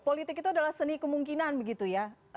politik itu adalah seni kemungkinan begitu ya